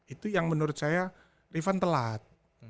itu yang menurut saya rifan telat